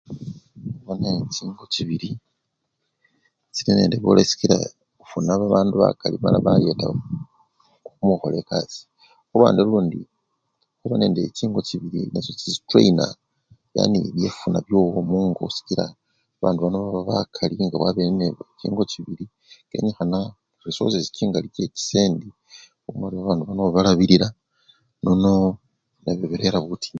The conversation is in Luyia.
Huba nechingo chibili siili nende bulayi sikila ufuna babandu bakali bayetakho nga khemukhola ekasii abandi lundi huba nende chingo chibili nasho si streyina yani byefuna yowo mungo sikila babandu bano baba bakali, ari nga wabele nechingo chibili kenyihana waba ne risosesii che chisende chingali obone orii abandu bano obalabilila nono birera butinyu